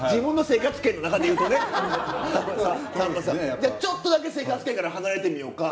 じゃあちょっとだけ生活圏から離れてみよか。